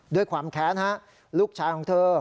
ด้วยความแค้นฮะลูกชายของเธอ